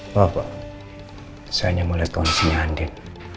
bapak saya hanya mau lihat kondisinya andin